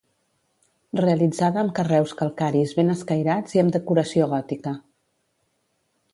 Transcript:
Realitzada amb carreus calcaris ben escairats i amb decoració gòtica.